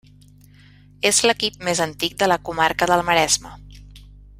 És l'equip més antic de la comarca del Maresme.